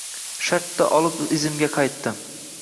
Shartta olib izimga qaytdim.